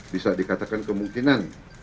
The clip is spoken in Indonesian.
bisa dikatakan kemungkinan